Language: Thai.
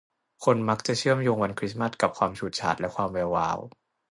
คนมักจะเชื่อมโยงวันคริสมาสต์กับความฉูดฉาดและความแวววาว